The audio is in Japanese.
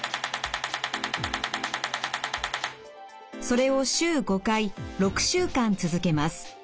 それを週５回６週間続けます。